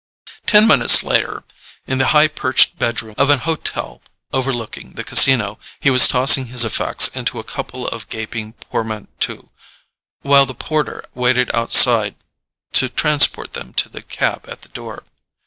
Ten minutes later, in the high perched bedroom of an hotel overlooking the Casino, he was tossing his effects into a couple of gaping portmanteaux, while the porter waited outside to transport them to the cab at the door.